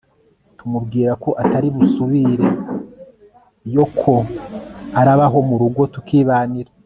tumubwira ko atari busubire yo ko araba aho murugo tukibanira